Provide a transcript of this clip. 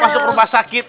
masuk rumah sakit